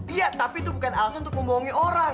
iya tapi itu bukan alasan untuk membohongi orang